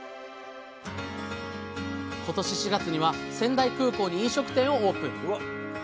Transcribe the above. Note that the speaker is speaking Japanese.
今年４月には仙台空港に飲食店をオープン。